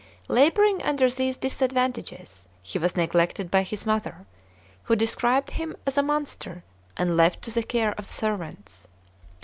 Labouring under these disadvantages, he was neglected by his mother, who described him as a "monster," and left to the care of servants.